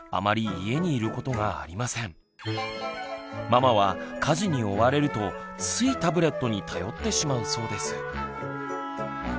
ママは家事に追われるとついタブレットに頼ってしまうそうです。